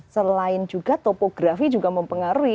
selain juga topografi juga mempengaruhi